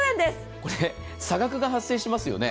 これ、差額が発生しますよね。